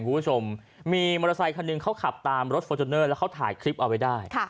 คุณผู้ชมมีมอเตอร์ไซคันหนึ่งเขาขับตามรถฟอร์จูเนอร์แล้วเขาถ่ายคลิปเอาไว้ได้